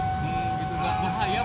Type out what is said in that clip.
gitu enggak bahaya pak